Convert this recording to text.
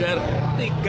kebahagiaan atas menangnya